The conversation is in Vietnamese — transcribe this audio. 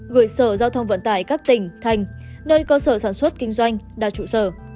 gửi sở giao thông vận tải các tỉnh thành nơi cơ sở sản xuất kinh doanh đa trụ sở